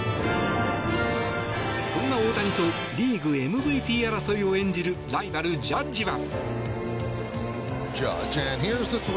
そんな大谷とリーグＭＶＰ争いを演じるライバル、ジャッジは。